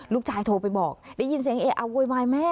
ลูกชายโทรไปบอกได้ยินเสียงเอ๊ะอ้าวโวยวายแม่